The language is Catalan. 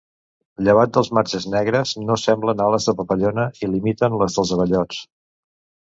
Llevat dels marges negres, no semblen ales de papallona i imiten les dels abellots.